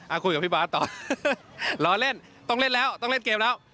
คุยกับพี่บาทต่อรอเล่นต้องเล่นแล้วต้องเล่นเกมแล้ว